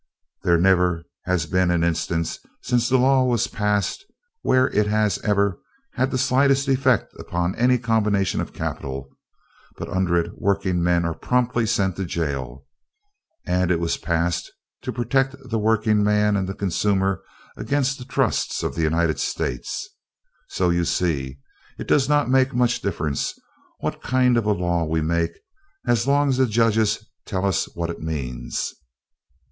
There never has been an instance since that law was passed where it has ever had the slightest effect upon any combination of capital, but under it working men are promptly sent to jail; and it was passed to protect the working man and the consumer against the trusts of the United States. So, you see, it does not make much difference what kind of a law we make as long as the judges tell us what it means.